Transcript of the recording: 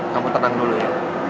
kamu tenang dulu ya